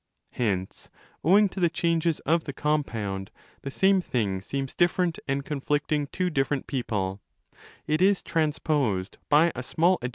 '| Hence—owing to the changes of the compound—'¢he same thing seems different and conflicting ἡ to different people : it is 'transposed' by a small additional